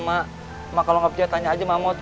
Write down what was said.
mak kalau gak percaya tanya aja mamot